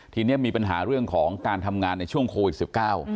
ทีนี้มีปัญหาเรื่องของการทำงานในช่วงโควิดสิบเก้า